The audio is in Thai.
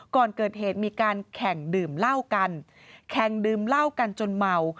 ก่อนเกิดเหตุมีการแข่งดื่มเหล้ากันแข่งดื่มเหล้ากันจนเมา